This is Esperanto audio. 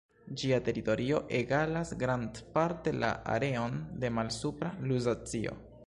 Ĝia teritorio egalas grandparte la areon de Malsupra Luzacio.